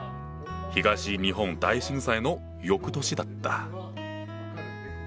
東日本大震災の翌年だった。